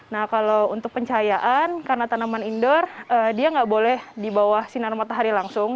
nah kalau untuk pencahayaan karena tanaman indoor dia nggak boleh di bawah sinar matahari langsung